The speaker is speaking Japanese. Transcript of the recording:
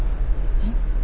えっ？